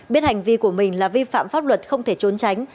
biết hành vi của mình là vi phạm pháp luật không thể trốn tránh